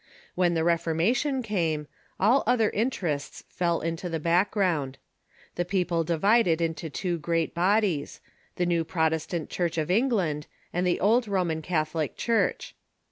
When the Reformation came, all other interests fell into the background. The people divided into two great bodies — the new Protestant Church of England and the old Roman Catholic Church.